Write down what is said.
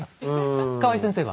河合先生は？